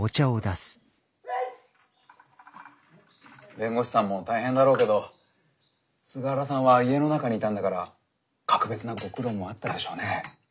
・弁護士さんも大変だろうけど菅原さんは家の中にいたんだから格別なご苦労もあったでしょうね。